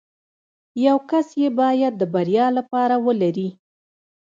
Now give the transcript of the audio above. يو کس يې بايد د بريا لپاره ولري.